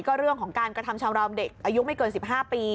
ก็เรื่องของการกระทำชำราวเด็กอายุไม่เกิน๑๕ปี